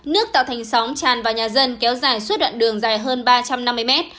nước tạo thành sóng tràn vào nhà dân kéo dài suốt đoạn đường dài hơn ba trăm năm mươi mét